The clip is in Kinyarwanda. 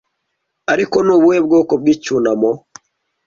ariko ni ubuhe bwoko bw'icyunamo